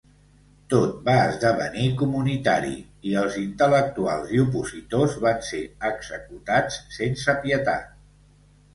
Tot va esdevenir comunitari i els intel·lectuals i opositors van ser executats sense pietat.